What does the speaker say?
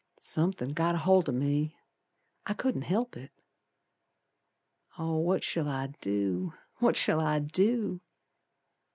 Somethin' got aholt o' me. I couldn't help it. Oh, what shall I do! What shall I do!